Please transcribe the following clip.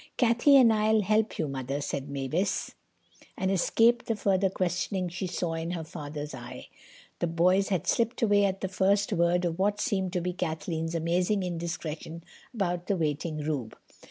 "Cathay and I'll help you, Mother," said Mavis, and escaped the further questioning she saw in her father's eye. The boys had slipped away at the first word of what seemed to be Kathleen's amazing indiscretion about the waiting Rube.